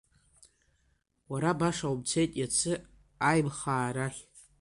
Уара баша умцеит иацы Аимхаа рахь.